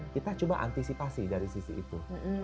kita coba antisipasi dari sisi itu